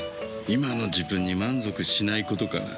今の自分に満足しないことかな。